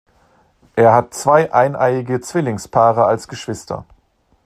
Er hat zwei eineiige Zwillingspaare als Geschwister.